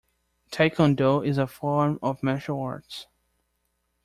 Taekwondo is a form of martial arts.